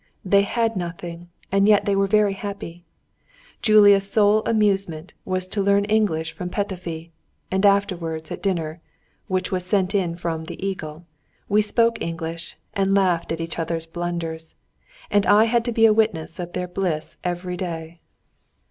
They had nothing, and yet they were very happy! Julia's sole amusement was to learn English from Petöfi, and afterwards, at dinner (which was sent in from "The Eagle"), we spoke English, and laughed at each other's blunders. And I had to be a witness of their bliss every day!